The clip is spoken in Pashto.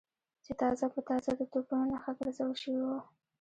چې تازه په تازه د توپونو نښه ګرځول شوي و.